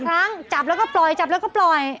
๕ครั้งจับแล้วก็ปล่อย